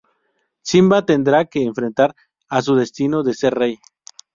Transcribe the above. Simba tendrá que enfrentarse a su destino de ser rey.